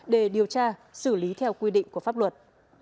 để điều tra xử lý theo quy định của pháp luật